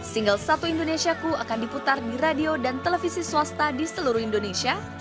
single satu indonesiaku akan diputar di radio dan televisi swasta di seluruh indonesia